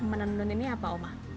menenun ini apa oma